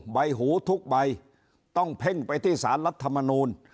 ใบหูทุกใบต้องเพ่งไปที่สารรัฐมนูล